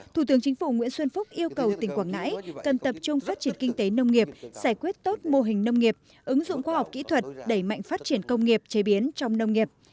thủ tướng chính phủ nguyễn xuân phúc yêu cầu tỉnh quảng ngãi cần tập trung phát triển kinh tế nông nghiệp giải quyết tốt mô hình nông nghiệp ứng dụng khoa học kỹ thuật đẩy mạnh phát triển công nghiệp chế biến trong nông nghiệp